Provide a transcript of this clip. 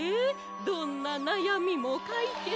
どんななやみもかいけつよ。